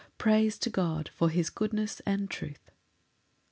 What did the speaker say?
Praise to God for his goodness and truth.